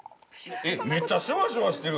めっちゃシュワシュワしてる。